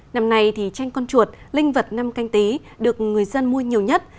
năm nay thì tranh con chuột linh vật năm canh tí được người dân mua nhiều nhất